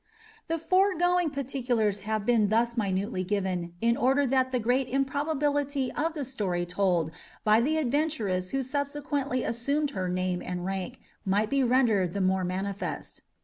The foregoing particulars have been thus minutely given in order that the great improbability of the story told by the adventuress who subsequently assumed her name and rank might be rendered the more manifest.